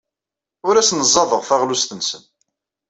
Ur asen-ẓẓadeɣ taɣlust-nsen.